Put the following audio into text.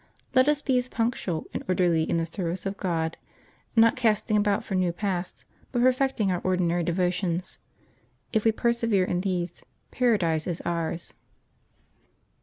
Let us be as punctual and orderly in the service of God, not casting about for new paths, but perfecting our ordinary devotions. If we per severe in these. Paradise is ours.